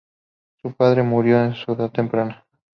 Su padre murió en su edad temprana.